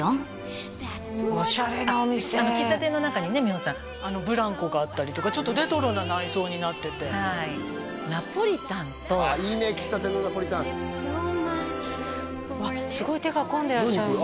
オシャレなお店喫茶店の中にね美穂さんブランコがあったりとかちょっとレトロな内装になっててはいあっいいね喫茶店のナポリタンすごい手が込んでらっしゃるのね